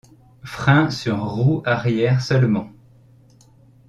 Frein sur roue arrière seulement.